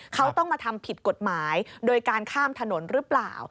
เขาต้องมาทำผิดกฎหมายโดยการข้ามถนนหรือเปล่า